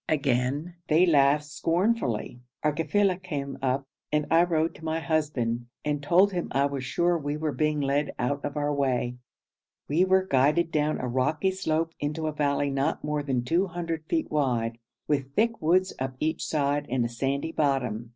again they laughed scornfully. Our kafila came up, and I rode to my husband and told him I was sure we were being led out of our way. We were guided down a rocky slope into a valley not more than 200 feet wide, with thick woods up each side, and a sandy bottom.